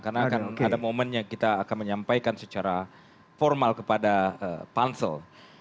karena akan ada momen yang kita akan menyampaikan secara formal kepada pansel